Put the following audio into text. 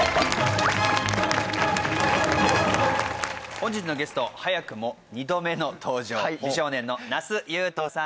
本日のゲスト早くも２度目の登場美少年の那須雄登さんです。